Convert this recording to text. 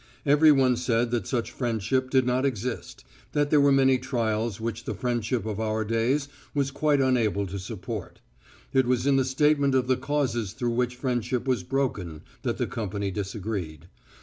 Everyone said that such friendship did not exist; that there were many trials which the friendship of our days was quite unable to support. It was in the statement of the causes through which friendship was broken, that the company disagreed.